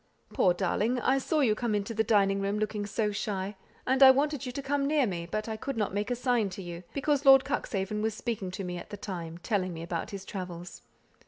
"Poor darling! I saw you come into the dining room, looking so shy; and I wanted you to come near me, but I could not make a sign to you, because Lord Cuxhaven was speaking to me at the time, telling me about his travels.